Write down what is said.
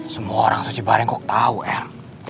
semua orang suci bareng kok tahu air